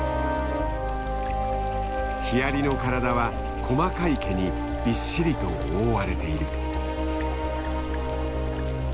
ヒアリの体は細かい毛にびっしりと覆われている。